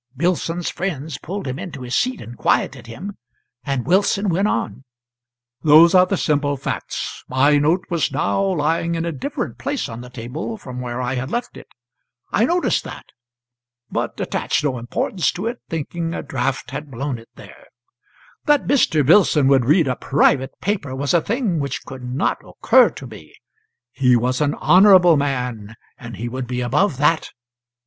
Billson's friends pulled him into his seat and quieted him, and Wilson went on: "Those are the simple facts. My note was now lying in a different place on the table from where I had left it. I noticed that, but attached no importance to it, thinking a draught had blown it there. That Mr. Billson would read a private paper was a thing which could not occur to me; he was an honourable man, and he would be above that.